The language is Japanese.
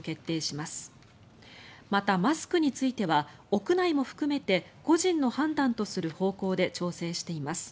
また、マスクについては屋内も含めて個人の判断とする方向で調整しています。